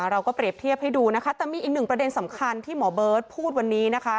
เราก็เปรียบเทียบให้ดูนะคะแต่มีอีกหนึ่งประเด็นสำคัญที่หมอเบิร์ตพูดวันนี้นะคะ